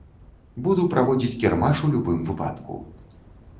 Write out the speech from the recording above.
Буду праводзіць кірмаш у любым выпадку.